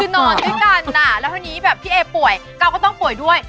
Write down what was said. คือนอนด้วยกันอะแล้วพี่เอกป่วยก้าก็ต้องป่วยด้วย